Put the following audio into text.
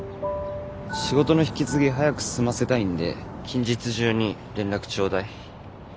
仕事の引き継ぎ早く済ませたいんで近日中に連絡ちょうだい。